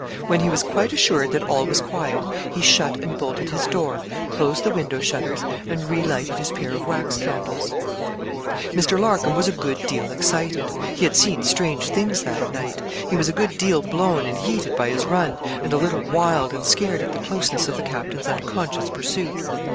When he was quite assured that all was quiet, he shut and bolted his door, closed the window shutters, and relighted his pair of wax candles. Mr. Larcom was a good deal excited. He had seen strange things that night. He was a good deal blown and heated by his run, and a little wild and scared at the closeness of the captain's unconscious pursuit.